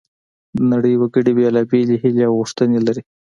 د نړۍ وګړي بیلابیلې هیلې او غوښتنې لري